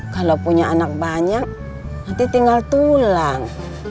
kalau punya anak banyak nanti tinggal tulang